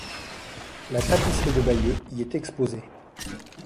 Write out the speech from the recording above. La tapisserie de Bayeux y est exposée.